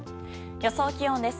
予想気温です。